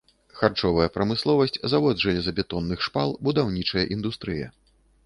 Харчовая прамысловасць, завод жалезабетонных шпал, будаўнічая індустрыя.